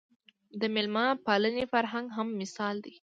د مېلمه پالنې فرهنګ هم مثال دی